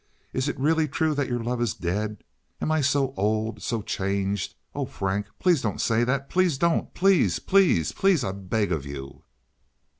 Is it really true that your love is dead? Am I so old, so changed? Oh, Frank, please don't say that—please don't—please, please please! I beg of you!"